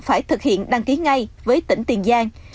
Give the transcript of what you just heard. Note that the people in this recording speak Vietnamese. phải thực hiện đăng ký ngay với tỉnh tiền giang